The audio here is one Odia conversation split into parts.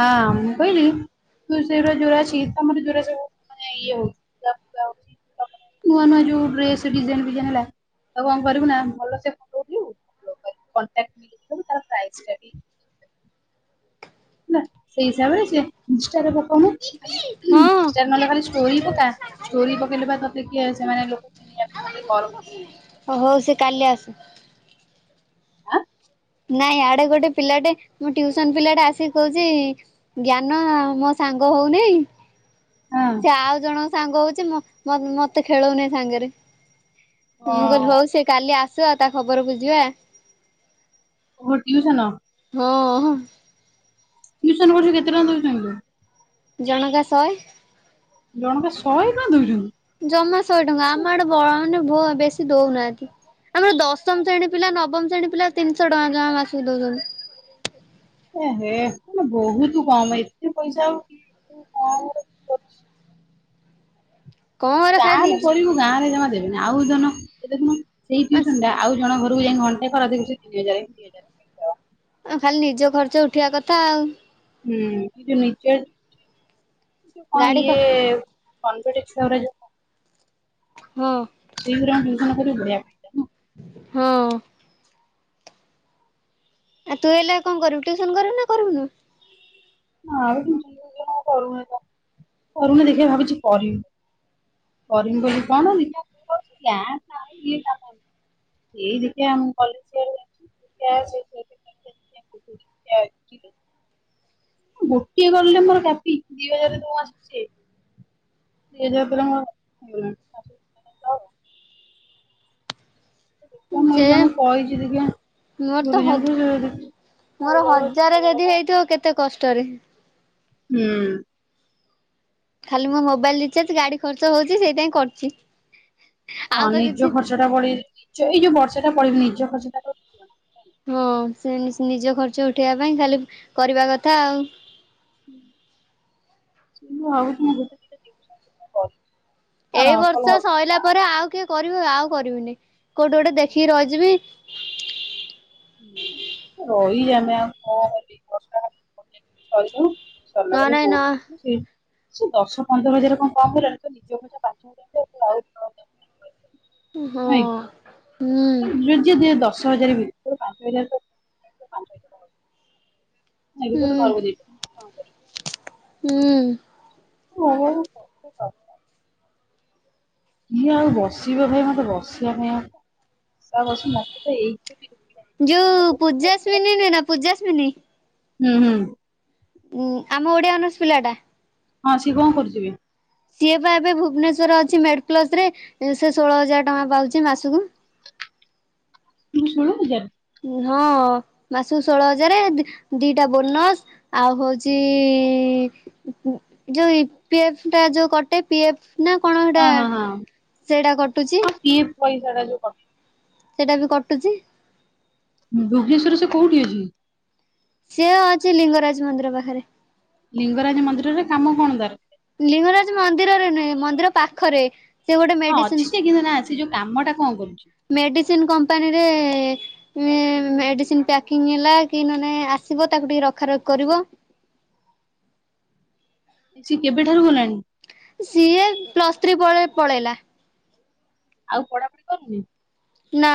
ହଁ ମୁଁ କହିଲି ତୁ ସେଇାରା ଯୋଉରା ଅଛି ତମର ଯୋଉରା ସବୁ ମାନେ ଇଏ ହଉଛି [unintelligible] ନୂଆ ନୂଆ ଯୋଉ ଡ୍ରେସ ଡିଜାଇନ ଫିଜାଇନ ହେଲା, ତାକୁ କଣ କରିବୁ ନା ଭଲ ସେ ଫଟ ଉଠେଇବୁ। କଣ୍ଟାକ୍ [unintelligible] ତାର ପ୍ରାଇସ୍ ଟା ବି ନା ସେଇ ହିସାବରେ ସେ ଇନଷ୍ଟାରେ ପକଉନୁ? ହଁ ଇନଷ୍ଟାରେ ନହେଲେ ଖାଲି ଷ୍ଟୋରି ପକା, ଷ୍ଟୋରି ପକେଇଲେ ବା ତତେ କିଏ ସେମାନେ ଲୋ ଆପେ ଆପେ ତତେ କଲ୍ କର ଓ ହଉ ସେ କାଲି ଆସି ଆଁ। ନାଇଁ ଆଡେ ଗୋଟେ ପିଲାଟେ, ମୋ ଟିଉସନ ପିଲାଟେ ଆସିିକି କହୁଛି ଜ୍ଞାନ ଆଉ ମୋ ସାଙ୍ଗ ହଉନେଇ। ହଁ ସେ ଆଉ ଜଣଙ୍କ ସାଙ୍ଗ ହଉଛି ମ ମତେ ଖେଳଉନି ସାଙ୍ଗରେ। ମୁଁ କହିଲି ହଁ। ହଉ ସେ କାଲି ଆସୁ ତା ଖବର ବୁଝିବା। ଅ ହ ଟିଉସନ। ହଁ ଟଉସନ କରୁଛୁ କେତେ ଟଙ୍କା ଦେଉଛନ୍ତି। ଜଣକା ଶହେ। ଜଣକା ଶହେ ଟଙ୍କା ଦଉଛନ୍ତି। ଜମା ଶହେ ଟଙ୍କା ଆମ ଆଡେ ବ ମାନେ ବେଶୀ ଦଉନାହାନ୍ତି। ଆମର ଦଶମ ଶ୍ରେଣୀ ପିଲା ନବମ ଶ୍ରେଣୀ ପିଲା ତିନିଶହ ଟଙ୍କା ଜମା ମାସକୁ ଦଉଛନ୍ତି। ଏ ହେ ବହୁତ କମ ଏତେ ପଇସା ହଉ ଏତେ କମ କର। କଣ କରେ ଖାଲି ଗାଁ ରେ ନିଜେ ପଢିବୁ ଗାଁ ରେ ଜମା ଦେବୁନି ଆଉ ଜଣ ଏଇ ଦେଖୁନୁ ସେଇ ଟିଉସନ ଯା। ଆଉ ଜଣ ଘରକୁ ଯାଇ ଘଣ୍ଟ ଖରାଦଉଛି ତିନିଜାର ଦି ହଜାର। ଖାଲି ନିଜ ଖର୍ଚ୍ଚ ଉଠିବା କଥା ଆଉ। ହୁଁ କିନ୍ତୁ ନିଚେ କି କଣ ଗାଡି ଇଏ। କନ୍ପିଟିକ୍ସ। [unintelligible] ହଁ। ସେଇ ଘରେ ଆମ ଯୋଜନ କରି ବଳିଆ। [unintelligible] ହଁ ଆଉ ତୁ ହେଲେ କଣ କରିବୁ ଟ୍ୟୁସନ କରିବୁ ନା କରିବୁନୁ ନା କରୁନି କରୁନି ଦେଖ ଭାବିଛି କରିବୁ [unintelligible] କରିମି ବୋଲି କଣଇ [unintelligible] ସେଦ ଆମ କଲେ [unintelligible] ଗୋଟିଏ ଗଲେ ମୋର କାପି ଦି ହଜାର ଟଙ୍କା ଆସିଛି ଦ ହଜାର ପଇ [unintelligible] ଦେ ମୁଁ ଏଇ ଯେ ଜଣ କହିଛି ଟିକେ ମୋର ତ ହ ଗୁରୁଜଙ୍କୁ ଯ [unintelligible] ମୋର ହଜାରେ ଯଦି ହେଇଥିବ କେତେ କଷ୍ଟରେ ହୁଁ ଖାଲି ମୋ ମୋବାଇଲ ରିଚାର୍ଜ ଗାଡି ଖର୍ଚ୍ଚ ହଉଛି ସେଇଥିପାଇଁ କରୁଛି ଆଉ ହଁ ତ କିଛି ନିର୍ଜ ଖର୍ଚ୍ଚ ଟା ପଡିବ ନିଜ ଏଇ ଯୋଉ ବର୍ଷା ଟା ପଡିବ ନିର୍ଜ ଖର୍ଚଟା ହଁ ସେ ନିଜ ଖର୍ଚ ଉଠେଇବା ପାଇଁ ଖାଲି କରିବା କଥା ଆଉ [inaudible] ଏଇ ଆଉ ନ କଲେ ବର୍ଷ ସରିଲା ହବନି। ପରେ ଆଉ କିଏ କରିବ ଆଉ କରିବିନି କୋଉଠି ଗୋଟେ ଦେଖିକି ରହିଯିବି ରହି ଆମେ ଆଉ କଣ ବର୍ଷାୁ [unintelligible] ନ ସରିଲାବେଲେ ନାଇଁ ନ କୋଟ ରଛି ନା ସେଇ [unintelligible] ସେ ଦଶ ପନ୍ଦର ହଜାର କଣ କମ ହେଲାଣି ତ ନିଜ ପଇସା ପାଞ୍ଚ ହଜାର ଆ [unintelligible] ହଁ ହୁଁ ଯିଏ ଦିଏ ଦଶ ହଜାର ବି ଭିତରେ ପାଞ୍ଚ ହଜାର ଁ ଏଟ ହୁଁ କରବ ଦେଇ କ କର [unintelligible] ହୁଁ। ହଁ କିଏ ଆଉ ବସିବ ଭାଇ ମତେ ବସିବା ପାଇଁ ଆଉା କରସ ମତେ ତ ଏଇଥି ଯୋଉ ପୂଜାସ୍ମିନୀ ନ ନା ପୂଜାସ୍ମିନୀ ହୁଁ ହୁଁ ଉଁ ଆମ ଓଡିଆ ଅନର୍ସ ପିଲାଟା ହଁ ସିଏ କଣ କରୁଚି ଏବେ? ସିଏ ପା ଏବେ ଭୁବନେଶ୍ଵର ଅଛି ମେଡେ ପ୍ଲସ୍ ରେ ସେ ଷୋଳ ହଜାର ଟଙ୍କା ପାଉଚି ମାସକୁ। କୁ ଷୋଳୋ ହଜାର ହଁ ମାସକୁ ଷୋଳୋ ହଜାର ଦି ଦିଟା ବୋନସ୍ ଆଉ ହଉଚି ଯୋଉ ଇପିଏଫ୍ ଟା ଯୋଉ କଟେ ପି ଏ ଫ୍ ନା କଣ ହେଟା ସେଟା କଟୁଚି ପି ଏଫ୍ ପଇସାଟା ଯୋଉ କଟେ। ସେଇଟା ବି କଟୁଚି ଭୁବନେଶ୍ଵର ରେ ସେ କୋଉଠି ଅଛି? ସିଏ ଅଛି ଲିଙ୍ଗରାଜ ମନ୍ଦିର ପାଖରେ। ଲିଙ୍ଗରାଜ ମନ୍ଦିରରେ କାମ କଣ ତାର? ଲିଙ୍ଗରାଜ ମନ୍ଦିରରେ ନୁହେଁ ମନ୍ଦିର ପାଖରେ। ସେ ଗୋଟେ ହଁ ମେଡିସିନ ଅଛି ଯେ କିନ୍ତୁ ନା ସେ ଯୋଉ କାମ ଟା କଣ କରୁଚି? ମେଡିସିନ୍ କମ୍ପାନୀରେ ନେ ମେଡିସିନ୍ ପ୍ୟାକିଂ ହେଲା କି ନହେନେ ଆସିବ ତାକୁ ଟିକେ ରଖ ରଖି କରିବ। ସିଏ କେବେଠାରୁ ଗଲାଣି। ସିଏ ପ୍ଲସ୍ ଥ୍ରୀ ପରେ ପଳେଇଲା। ଆଉ ପଡ଼ କରିଚି ନା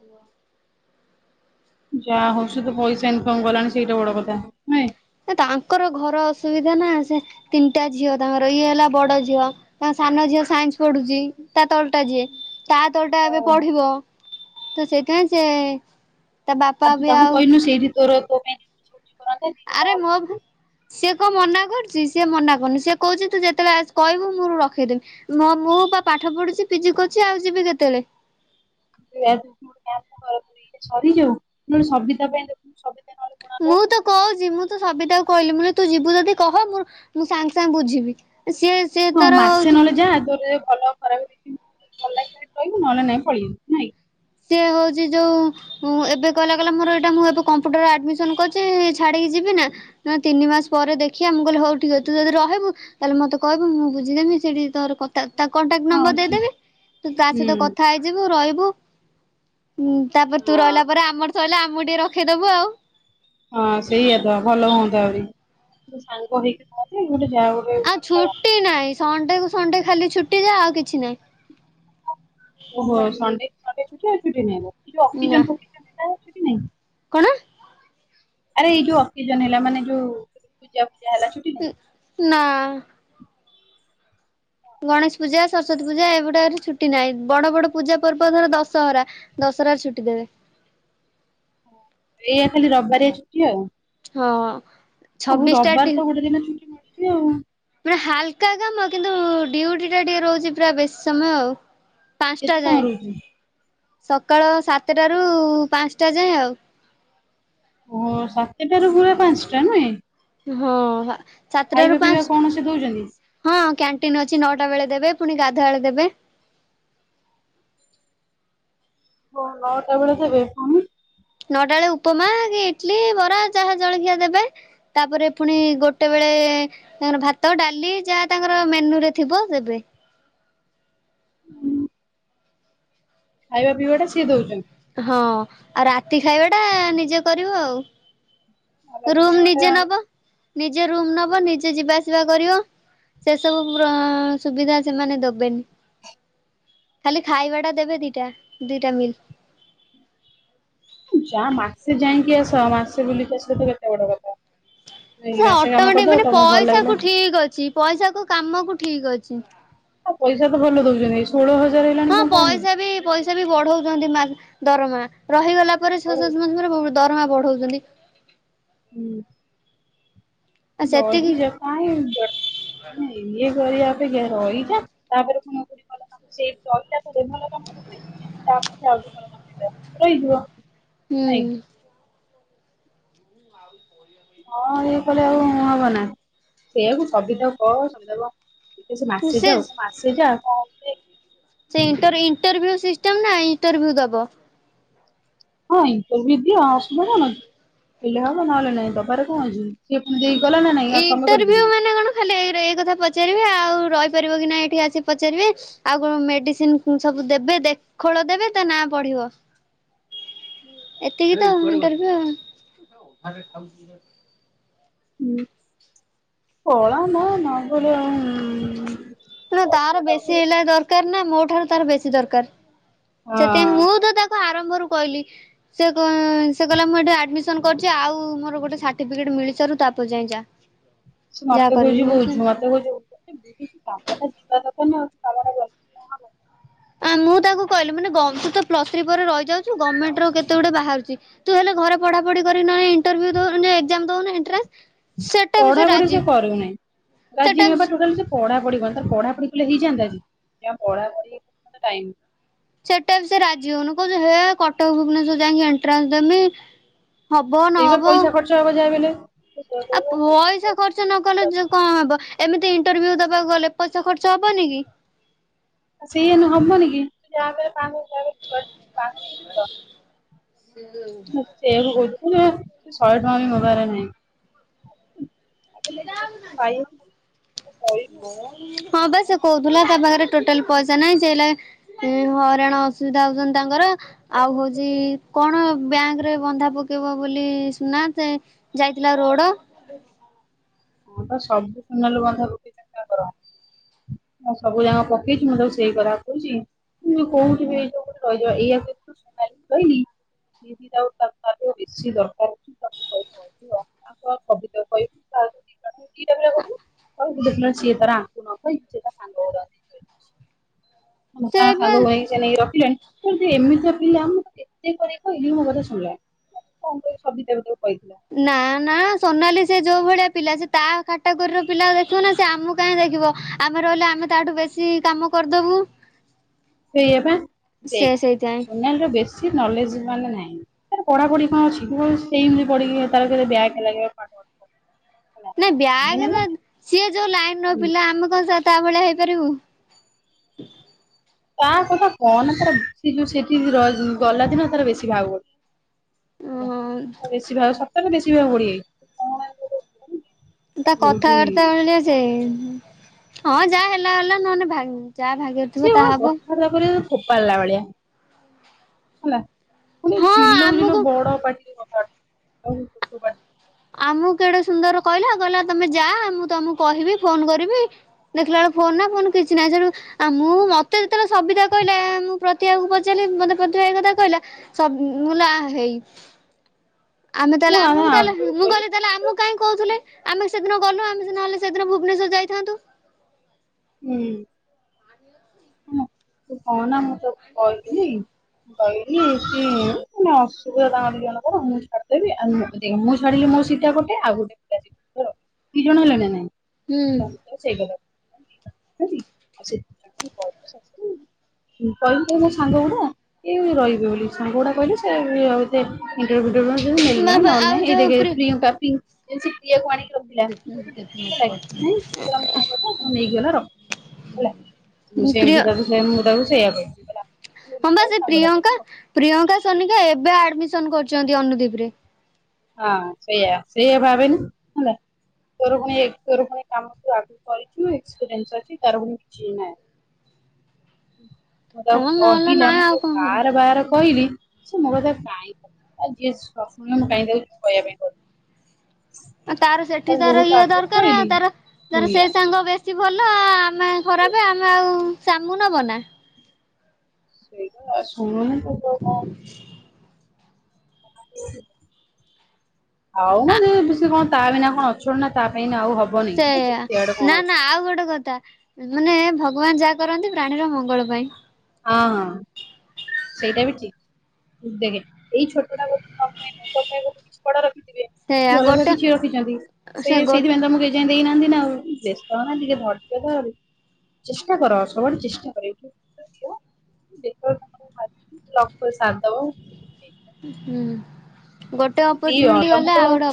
ହାଲୋ। ଯାହା ହଉ ତ ପଇସା ଇନକମ୍ କଲାଣି ସେଇଟା ବଡ କଥା ନୁହେ। ତାଙ୍କର ଘର ଅସୁବିଧା ନା ସେ ତିନିଟା ଝିଅ ତାଙ୍କର ଇଏ ହେଲା ବଡ ଝିଅ ତାଙ୍କ ସାନ ଝିଅ ସାଇନ୍ସ ପଢୁଚି ତା ତଳଟା ଯିଏ। ତା ତଳ ଟା ଏବେ ଓହୋ ପଢିବ ତ ସେଇଥିପାଇଁ ସିଏ ଆଉ ତୁ ତାକୁ କହିଲୁନି ସେଇଠି ତୋର ତୋ ପାଇଁ ଛୁଟି କରନ୍ତେ ଦି ଜଣ ଆରେ ଭଲ ମୋ ହୁଅନ୍ତୁ ସିଏ କଣ ମନା କରୁମି ସିଏ ମନା କରୁନି ସିଏ କହୁଚି ତୁ ଯେତେବେଳେ ଆସ କହିବୁ ମୁଁ ରଖେଇଦେମି। ମ ମୁଁ ବା ପାଠ ପଢୁଚି ପିଜି କରୁଚି ଆଉ ଯିବି କେତେବେଳେ। [unintelligible] କରୁ ସରିଯାଉ ନହେନେ ସବିତା ପାଇଁ ଦେଖୁନୁ। ନହେଲେ ପଳାନ୍ତା ମୁଁ ତ କହୁଚି ମୁଁ ତ ସବିତାକୁ କହିଲି ମୁଁ କହିଲି ଯିବୁ ଯଦି କହ ମୁଁ ମୁଁ ସାଙ୍ଗେ ସାଙ୍ଗେ ବୁଝିବି ସିଏ ସିଏ ହଁ ତାର ମାସେ ହଉଛି ନହେଲେ ଯାଆ ତୋର ଯଦି ଭଲହବ ଖରାପ ଭଲ ଲାଗିଲେ ରହିବୁ ନହେଲେ ନାଇଁ ପଳେଆଇବୁ ନାଇଁ କି। ସେ ହଉଚି ଯୋଉ ମୁଁ ଏବେ କହିଲା କଲା ମୋର ଏଇଟା ମୁଁ ଏବେ କମ୍ପ୍ୟୁଟର ଆଡମିସନ୍ କରିଚି ଛାଡ଼ିକି ଯିବି ନା। ନା ତିନି ମାସ ପରେ ଦେଖିବା ମୁଁ କହିଲେ ହଉ ଠିକ୍ ଅଛି ତୁ ଯଦି ରହିବୁ ତାହେଲେ ମତେ କହିବୁ ମୁଁ ବୁଝିଦେମି ସେଠି ତୋର କଥ ତା ତା କଣ୍ଟାକ୍ଟ ହଁ ନମ୍ବର ସେ ଦେଇଦେବି ତୁ ତା ହୁଁ ସହିତ କଥା ହେଇଯିବୁ ରହିବୁ। ହୁଁ ତାପରେ ତୁ ହଁ। ରହିଲା ପରେ ଆମର ସରିଲେ ଆମକୁ ଟିକେ ରଖିଦବୁ ଆଉ। ହଁ ସେଇଆ ତ ଭଲ ହୁଅନ୍ତା ବି ଗୋଟେ ସାଙ୍ଗ ହେଇକି ରହନ୍ତେ ଗୋଟେ ଯାହା ଗୋଟେ ଆଉ ଭଲ ଛୁଟି ନାହିଁ ଲାଗନ୍ତା। ସଣ୍ଡେକୁୁ ସଣ୍ଡେ ଖାଲି ଛୁଟି ଯାହା ଆଉ କିଛି ନାହିଁ। ଓହେ ସଣ୍ଡେ କୁ ସଣ୍ଡେ ଛୁଟି ଆଉ ଛୁଟି ନାହିଁ ନା ଅକେଜନ୍ ଫକେଯନ୍ ଛୁଟି ନାହିଁ? କଣ? ଆରେ ଏଇ ଯୋଉ ଅକେଜନ ହେଲା ମାନେ ଯୋଉ ପୂଜା ଫୂଜା ହେଲା ଛୁଟି ନାଇଁ। ନା। ଗଣେଶ ପୂଜା ସରସ୍ଵତୀ ପୂଜା ଏଗୁଡାକରେ ଛୁଟି ନାହିଁ ବଡ ବଡ ପୂଜା ପର୍ବ ଧର ଦଶହରା। ଦଶରାରେ ଛୁଟି ଦେବେ। ଏଇଆ ଖାଲି ରବିବାରିଆ ଛୁଟି ଆଉ। ହଁ ଓହୋ ଛବିଶ ଟା ରବିବାର ଡି ତ ଗୋଟେ ଦିନ ଛୁଟି ମିଳୁଛି ଆଉ ମାନେ ହାଲକା କାମ କିନ୍ତୁ ଡ୍ୟୁଟି ଟା ଟିକେ ରହୁଛି ପୁରା ବେଶୀ ସମୟ ଆଉ। ପାଞ୍ଚଟା କେତେ ସମୟ ଯାଏଁ ରହୁଛି? ସକାଳ ସାତଟାରୁ ପାଞ୍ଚଟା ଯାଏଁ ଆଉ। ଓ ସାତଟ ରୁ ପୁରା ପାଞ୍ଚଟା ନୁହେଁ। ହଁ ସାତ ଟା ରୁ ଖାଇବା ପିଇବା ପାଞ୍ଚ କଣ ସେ ଦଉଛନ୍ତି? ହଁ କ୍ୟାଣ୍ଟିନ ଅଛି ନଅଟା ବେଳେ ଦେବେ ପୁଣି ଗାଧୁଆବେଳେ ଦେବେ। ହ ନଅଟା ବେଳେ ଦେବେ। ନଅଟା ବେଳେ ଉପମା କି ଇଟଲି ବରା ଚାହା ଜଳଖିଆ ଦେବେ। ତାପରେ ପୁଣି ଗୋଟେ ବେଳେ ତାଙ୍କର ଭାତ ଡାଲି ଯାହା ତାଙ୍କର ମେନ୍ୟରେ ଥିବ ଦେବେ। ହୁଁ। ଖାଇବା ପିଇବା ଟା ସିଏ ଦଉଛନ୍ତି। ହଁ ଆଉ ରାତି ଖାଇବା ଟା ନିଜେ କରିବ ଆଉ। ଖାଇବା ରୁମ ନିଜେ ପିଇବା ନବ ନିଜେ ରୁମ ଟା ନବ ନିଜେ ଯିବା ଆସିବା କରିବ। ସେ ସବୁ ସୁବିଧା ସେମାନେ ଦେବେନି। ଖାଲି ଖାଇବା ଟା ଦେବେ ଦିଟା ଦିଟା ମିଲ୍। ଯା ମାସେ ଯାଇକି ଆସ ମାସେ ବୁଲିକି ଆସିଲ ତ କେତେ ବଡ କଥା। ଯାଇକି ସିଏ ମାସେ କାମ ଅଟୋମେଟିକ କରିଦବ ମାନେ ତମକୁ ଭଲ ଲାଗିଲା ପଇସାକୁ ଠିକ ଅଛି ପଇସାକୁ କାମକୁ ଠିକ ଅଛି। ହ ପଇସା ତ ଭଲ ଦଉଛନ୍ତି ଏଇ ଷୋହଳ ହଜାର ହେଇଲାଣି ହଁ କଣ କମ ପଇସା ବି ପଇସା ବି ବଢଉଛନ୍ତି ଦରମା ରହିଗଲା ପରେ ଛଅ ସାତ ମାସ ପରେ ଦରମା ବଢଉଛନ୍ତି। ହୁଁ। ଆଉ ସେତିକି ରହି ଜା କାଇ ଏମତି ଇଏ କରିବା ଅପେକ୍ଷା ରହିଛ ତାପରେ ପୁଣି ତ ସେଇ ଅଲଟା ତ ଦେ ଭଲ କାମ କର ତା ପାରେ ଆଉ ଭଲ ରହିଯିବ। ନାଇଁ ହୁଁ। ଆଉ। ହଁ ନ ଇଏ କଲେ ଆଉ ହବନା ସେଇଆକୁ ସବିତାକୁ କହ ସୁବିଧା କ ଟିକେ ସେ ମାସେ ଯାଉ ତ ମାସେ ଯା କଣ ଅସୁବିଧା ସେ ଇଣ୍ଟର ଉଣ୍ଟର୍ଭ୍ୟୁ ସିଷ୍ଟମ ନା ଇଣ୍ଟରଭିଊ ଦବ। ହଁ ଇଣ୍ଟରଭିଉ ଦିଅ ଆସୁବିଧା କଣ ଅଛି ହେଲେ ହବ ନହେଲେ ନାହିଁ ଦବାରେ କଣ ଅଛି। ସିଏ ପୁଣି ଦେଇକି ଗଲା ନା ନାଇଁ ଆଉ ତମେ ଇଣ୍ଟରଭ୍ୟୁ କରିପାରିବନି। ମାନେ କଣ ଖାଲି ଏରା ଏଇ କଥା ପଚାରିବେ ଆଉ ରହିପାରିବ କି ନାଇ ଏଇଠି ଆସି ପଚାରିବେ। ଆଉ କଣ ମେଡିସିନ ସବୁ ଦେବେ ଦେଖୋଳ ଦେବେ ତା ନା ପଢିବ। [unintelligible] ଏତିକି ତ ଇଣ୍ଟରଭିଉ ଆଉ। ଖୋଳ ନୁହ ନଗଲେ ଆଉ ତେଣୁ ତାର ବେଶୀ ଏଇଲା ଦରକାର ନା ମୋ ଠାରୁ ତାର ବେଶୀ ଦରକାର। ସେଥିପାଇଁ ହଁ ମୁଁ ତ ତାକୁ ଆରମ୍ଭରୁ କହିଲି ସେ କ ସେ କିହିଲା ମୁଁ ଏଠି ଆଡ଼ମିସନ୍ କରୁଛି ଆଉ ମୋର ଗୋଟେ ସାର୍ଟିଫିକେଟ୍ ମିଳିସାରୁ ତାପରେ ଯାଇଁ ଯା। ସେ ଯାହା ମତେ କରିବି କହୁଛି ବୁଝୁ ମତେ କହୁଛି ବୁଝ୍ ବୁଝୁଚି କାମଟା ଯିବା ଦରକାର ନା ଆଉ। କାମଟା ଗ ମୁଁ [unintelligible] ତାକୁ କହିଲି ମାନେ ଗମତ ପ୍ଲସ ଥ୍ରୀ ପରେ ରହି ଯାଉଛୁ ଗଭର୍ଣମେଣ୍ଟ ର କେତେ ଗୁଡେ ବାହରୁଛି ତୁ ହେଲେ ଘରେ ପଢାପଢି କରି ନାଇ ଇଣ୍ଟଭିଉ ଦଉନୁ ଏକ୍ସାମ ଦଉନୁ ଏଟ୍ରାସ। ପଢା ପଢି ସେ କରୁନାହିଁ ରାଜି ସେଟା ନୁହେଁ ବି ବା ଟୋଟାଲ ସେ। ପଢା ପଢିି କଣ ତାର ପଢା ପଢି କଲେ ହେଇଯଆନ୍ତା କି ପଢାପଢି ଟାଇମ୍ ସେଟା ବି ସେ ରାଜି ହଉନି କହୁଛି ହେ କଟକ ଭୁବନେଶ୍ଵର ଯାଇକି ଏଣ୍ଟ୍ରାସ ଦେମି। ହବ ସେଇବା ପଇସା ଖର୍ଚ୍ଚ ହବ ଯାହା ବି ହେଲେ। ତ ସେଇଆ ଆ କହିବ, ପଇସା ଖର୍ଚ୍ଚ ନ କଲେ ପଳେଇଲା। କଣ ହବ ଏମିତି ଇଣ୍ଟରଭିଉ ଦବାକୁ ଗଲେ ପଇସା ଖର୍ଚ୍ଚ ହବନି କି। ଆଉ ସେଇଆ ନୁହେଁ ହବନି କି ଯାହା ବି ହେଲେ ପାଂଶ। ସେ ଯୋଉ। ସେଇୟାକୁ କହୁଛି ଶହେ ଟଙ୍କା ବି ମୋ ପାଖରେ ନାହିଁ। ଖିର ଆଉ ନାହିଁ। ହଁ ବା ସେ କହୁଥିଲା ତା ପାଖରେ ଟୋଟାଲ ପଇସା ନାହିଁ ସେଇଲ ଉଁ ହଇରାଣ ଅସୁବିଧା ହଉଛନ୍ତି ତାଙ୍କର। ଆଉ ହଉଛି କଣ ବ୍ୟାଙ୍କରେ ବନ୍ଧା ପକେଇବ ବୋଲି ସୁନା ଯାଇଥିଲା ରୋଡ। ହଁ ତ ସବୁ ସୁନାଲୁ ବନ୍ଧା ପକାଇଛନ୍ତି ତାଙ୍କର। ଆଁ ସବୁ ଯାକ ପକେଇଛି ମୁଁ ତାକୁ ସେଇ ଖରାପ କହୁଛି। ମୁଁ ଯଉ କହୁଠିବି ଏଇ ଯୋଉୋ ରହିଯ ଏଇଆ ଶୁଣି ରହିଲି। ଦିଦି ଯଉ ତା ତାକୁ ବେଶୀ ଦରକାର କହି ଙ୍କ ସବିତ କହିବି ତ। ଦେଖିଲା ବେଳକୁ ସିଏ ତାର ଆଙ୍କୁ ନକହି ସିଏ ତା ସାଙ୍ଗ ଗୁରାଙ୍କୁ ସେ ମୋଟ ଏବେ ସାଙ୍ଗ ହେ ସେ ନେଇକ ରଖିଲେଣି। ଏମିତିଆ ପିଲା ମୁଁ କେତେ କରି କହିଲି ମୋ କଥା ଶୁଣିଲାନି। କଣ ସବିତା ଗୋଟେ କହିଥିଲା ନା ନା ସୋନାଲି ସେ ଯୋଉ ଭଳିଆ ପିଲା ସେ ତା କାଟା ଗୋରିର ପିଲା ଦେଖିବ ନା ସେ ଆମକୁ କାହିଁ ଦେଖିବ। ଆମେ ରହିଲେ ଆମେ ତାଠୁ ବେଶୀ କାମ କରିଦେବୁ। ସେଇଆବା ସେ ଦେଖ ସେଇଥିପାଇଁ ସୋନାଲି ର ବେଶୀ ନଲେଜ ମାନେ ନାହିଁ। ତାର ପଢାପଢି କଣ ଅଛି ସେଇମତିି ପଢ ତାର ବ୍ୟକ୍ ଲାଗିଲା ପାଠ ହେଲା ନାଇ ମେନ୍ ବ୍ୟାକ ହେଲା ନା ସିଏ ଯୋଉ ଲାଇନର ହୁଁ ପିଲା ଆମେ କଣ ସେ ତା ଭଳିଆ ହେଇପାରିବୁ। ତା କଥା କହନା ତାର ସେ ଯୋଉ ସେଠି ରହି ଗଲା ଦିନ ତାର ବେଶୀ ଭାଉ। ହେଲା ଓହୋ ବେଶୀ ଭାଉ ସତରେ ବେଶୀ ଭାଉ ବଡିଯାଇଛି। ତା କଥାବାର୍ତ୍ତା ଭଳିଆ ସେ। ହଁ ଯାହା ହେଲା ହେଲା ନହଲେ ଭା ଯାହା ଭାଗ୍ୟରେ ଥିବ ସିଏ କଣ ତାହା ହବ କଥାବାର୍ତ୍ତା କରିବ ଫୋ ପାଡିଲା ଭଳିଆ। ହେଲା ପୁଣି ହଁ ଚିଲୋଉଛି ଲୋ ଆମକୁ ବଡ ପାଟି [unintelligible] [unintelligible] ଆମକୁ କେଡେ ସୁନ୍ଦର କହିଲା କହିଲା ତମେ ଯା ମୁଁ ତମକୁ କହିବି ଫୋନ କରିବି ଦେଖିଲା ବେଳକୁ ଫୋନ ନା ଫୋନ କିଛି ନାହିଁ। ସେଠୁ ଆଉ ମୁଁ ମତେ ଯେତେବେଳେ ସବିତା କହିଲା। ମୁଁ ପ୍ରତିଭାକୁ ପଚାରିଲି ମତେ ପ୍ରତିଭା ଏଇ କଥା କହିଲା। ସ ବୁଲା ହେଇ [inaudible] ଆମେ ତାହେଲେ ମୁଁ ଆ- ଆମକୁ ତାହେଲେ ଆଗରୁ କହିଲି ମୁଁକହଲି ତାହେଲେ ଆମକୁ କାହିଁ କହୁଥିଲେ। ଆମେ ସେଦିନ ଗଲୁ। ଆମେ ସେ ନହେଲେ ସେଦିନ ଭୁବନେଶ୍ୱର ଯାଇଥାନ୍ତୁ। ହୁଁ। ହଁ ତୁ କହନା ମୁଁ ତତେ କହିବିନି। କହିବିନି ମାନେ ଅସୁବିଧା ତାଙ୍କ ଦି ଜଣକର ମୁଁ ଛାଡିଦେବି ଆନ ତ ଦେକ୍ମୁଁ ଛାଡିଲି ମୋ ସୀଟ ଟା ଗୋଟେ ଆଉ ଗୋଟେ ପିଲା ଯିବ। ଦି ଜଣ ହେଲେ ନା ନାଇଁ? ହୁଁ [unintelligible] ତୁ କହିବୁ ମୋ ସାଙ୍ଗ ଗୁଡା ଏଇ ରହିବେ ବୋଲି, ସାଙ୍ଗ ଗୁଡା କହିଲେ ସେ ଆଉ ଇଣ୍ଟର ଭ୍ୟୁ ନେଲେନେବେ ନହଲେ ଆଉ ନାଇଁ, ଏଇ ଯୋଉ ଦେଖେ ପ୍ରି ପ୍ରିୟଙ୍କା ପି ହେଇ ସେ ପ୍ରିୟା କୁ ଆଣିକି ରଖିଲା ଇଣ୍ଟର ଭ୍ୟୂ କିଛି ଦେଲାକି କିଛି ନାଇଁ, କହିଲା ମୋ ସାଙ୍ଗଟା ତ ନେଇକି ଗଲା ରଖ ହେଲା। ମୁଁ ପ୍ରିୟ ସେମତି ତାକୁ ସେମତି ମୁଁ ତାକୁ ସେଇଆ କହିବି। ହେଲା। ହଁ ବା କହି ସେ ସାଙ୍ଗଟା ପ୍ରିୟଙ୍କା କହିବି ପ୍ରିୟଙ୍କା ସୋନିକା ଏବେ ଆଡମିସନ କରୁଛନ୍ତି ଅନୁଦୀପ ରେ। ହଁ ସେଇଆ ସେଇଆ ଭାବେନି ହେଲା। ତୋର ପୁଣି ତୋର ପୁଣି କାମ ଆଗରୁ କରିଚୁ ଏକ୍ସପିରିନ୍ସ ଅଛି ତାର ପୁଣି କିଛି ନାହିଁ। ମୁ ତାକୁ ହଁ ନହେଲେ କହିଲା ନାଇଁ ଆଉ ମୁଁ କଣ କରିବ ବାର ବାର କହିଲି ସେ ମୋ କଥା କାହିଁକି ଯିଏ ନ ଶୁଣିବ ମୁଁ କାହିଁ ତାକୁ ଯିବି କହିବା ପାଇଁ କହିଲୁ। ତାର ସେଠି ତାକୁ ତାର ବହୁତ ଇଏ ଆଗରୁ ଦରକାର କହିଲି। ତାର ତାର ସେ ଶୁଣିଲାନି ସାଙ୍ଗ ବେ କିଛି ଭଲ ଆମେ ଖରାପ ଆମେ ଆଉ ସେ ଆମକୁ ନବନା। ସେଇଟା ଆଉ ଶୁଣୁନୁ ଆଉ ତାକୁ କଣ ଆଉ ମାନେ ସେ କଣ ତା ବିନା କଣ ଅଚଳ ନା ତା ପାଇଁ ଆଉ। ହବନି ସେଇଆ କେତେ ଆଡେ କଣ ନା ଅଛି ନା ଆଉ ଗୋଟେ କଥା। ମାନେ ଭଗବାନ ଯାହା କରନ୍ତି ପ୍ରାଣୀର ମଙ୍ଗଳ ପାଇଁ। ହଁ ସେଇଟା ବି ଠିକ୍। ଦେଖେ ଏଇ ଛୋଟଟା ବୋଧେ ତୋ ପାଇଁ ନୁହେଁ, ତୋ ପାଇଁ କିଛି ବଡ଼ ରଖିଥିବେ। ସେଇଆ କି ଅଲଗା ଗୋଟେ କିଛି ରଖିଛନ୍ତି ସେ ସେଇଆ ଗୋ ସେଇଥିପାଇଁ ତ ମୁଁ ଏ ଯାଏଁ ଦେଇନାହାନ୍ତି ନା ଆଉ, ବ୍ୟସ୍ତ ହଉନା ଟିକେ ଧୈର୍ଯ୍ୟ ଧରେ। ଚେଷ୍ଟାକର ସବୁଆଡୁ ଚେଷ୍ଟାକର ଏଇଠି ଯେତେବେଳେ ତମର ବାଜିଛୁ ଲକ୍ ତମସାଥ ଦବ। ହୁଁ, ଗୋଟେ ଦିଅ ଅପରଚୁନିଟି ତମେ ଗଲେ ଆଉ ତ ଗୋଟେ ଅ